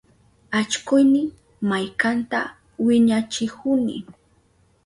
Allkuyni maykanta wiñachihuni.